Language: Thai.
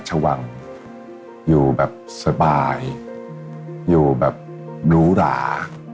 แต่ตอนเด็กก็รู้ว่าคนนี้คือพระเจ้าอยู่บัวของเรา